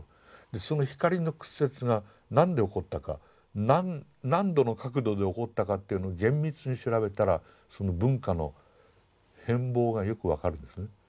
その光の屈折が何で起こったか何度の角度で起こったかというのを厳密に調べたらその文化の変貌がよく分かるんですね。